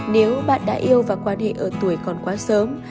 nếu bạn đã yêu và quan hệ ở tuổi còn quá sớm